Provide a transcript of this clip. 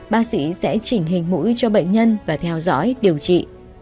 bác sĩ sẽ chỉnh hình mũi cho bệnh nhân và theo dõi điều trị